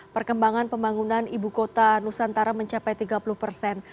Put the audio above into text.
perkembangan pembangunan ibu kota nusantara mencapai tiga puluh persen